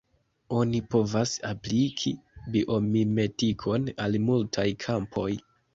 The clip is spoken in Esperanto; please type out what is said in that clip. Oni povas apliki biomimetikon al multaj kampoj.